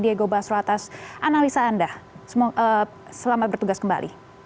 terima kasih produser lapangan cnn indonesia